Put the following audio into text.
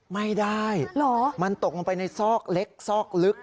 ไม่ได้มันตกลงไปในซอกเล็กซอกลึก